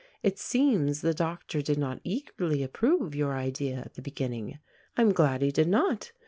It seems the doctor did not eagerly approve your idea at the beginning. I am glad he did not.